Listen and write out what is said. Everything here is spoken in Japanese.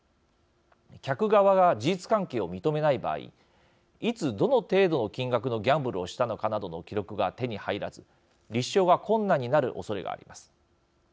客側が事実関係を認めない場合いつ、どの程度の金額のギャンブルをしたのかなどの記録が手に入らず立証が困難になるおそれがあります。